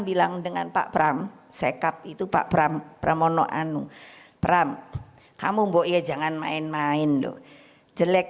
bilang dengan pak pram sekap itu pak pram pramono anung pram kamu mbok ya jangan main main loh jelek